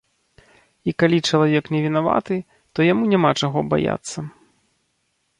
І калі чалавек не вінаваты, то яму няма чаго баяцца.